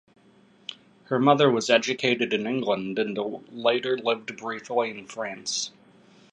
Her mother was educated in England and later lived briefly in France.